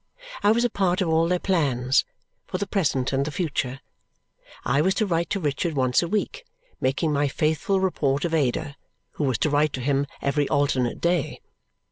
I was a part of all their plans, for the present and the future. I was to write Richard once a week, making my faithful report of Ada, who was to write to him every alternate day.